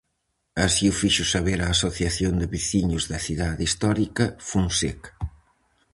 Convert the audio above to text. Así o fixo saber a Asociación de Veciños da Cidade Histórica "Fonseca".